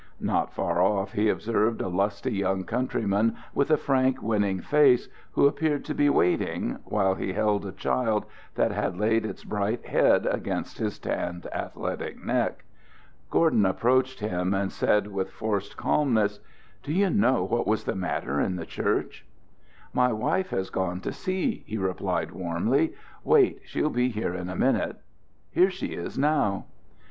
Not far off he observed a lusty young countryman, with a frank, winning face, who appeared to be waiting, while he held a child that had laid its bright head against his tanned, athletic neck. Gordon approached him, and said with forced calmness: "Do you know what was the matter in the church?" "My wife has gone to see," he replied, warmly. "Wait; she'll be here in a minute. Here she is now."